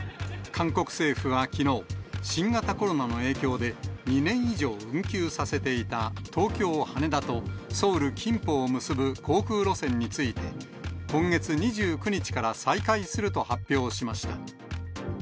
韓国政府はきのう、新型コロナの影響で、２年以上運休させていた、東京・羽田とソウル・キンポを結ぶ航空路線について、今月２９日から再開すると発表しました。